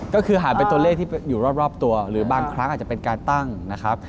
ก็คือหันไปตัวเลขที่อยู่รอบตัวหรือบางครั้งอาจจะเป็นการตั้งนะครับ